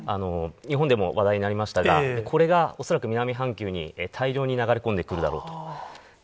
日本でも話題になりましたが、これが恐らく南半球に大量に流れ込んでくるだろうと。